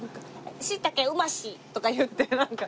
「しいたけうまし」とか言ってなんか。